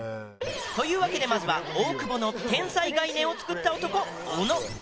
というわけでまずは大久保の天才概念を作った男小野。